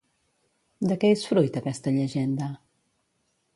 De què és fruit aquesta llegenda?